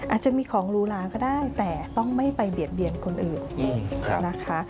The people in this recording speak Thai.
อาจจะมีของรูล้างก็ได้แต่ต้องไม่ไปเบียดเบียนคนอื่นนะคะ